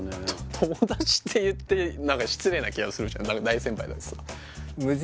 友達って言って失礼な気がするじゃん大先輩だしさ